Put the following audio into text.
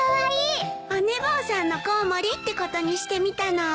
お寝坊さんのコウモリってことにしてみたの。